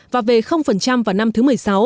và về vào năm thứ một mươi sáu